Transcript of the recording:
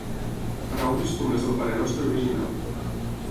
Paraules com les del Parenostre original.